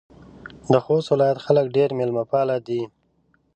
د خوست ولایت خلک ډېر میلمه پاله دي.